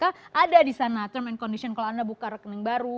ada di sana term and condition kalau anda buka rekening baru